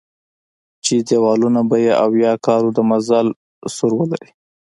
چې دېوالونه به یې اویا کالو د مزل سور ولري.